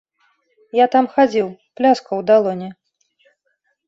Я там хадзіў, пляскаў у далоні.